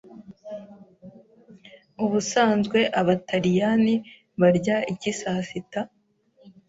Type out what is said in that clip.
Ubusanzwe abataliyani barya iki saa sita?